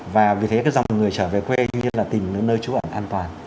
và vì thế cái dòng người trở về quê như là tìm đến nơi trú ẩn an toàn